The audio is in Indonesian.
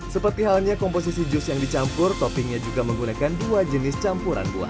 seperti halnya komposisi jus yang dicampur toppingnya juga menggunakan dua jenis campuran buah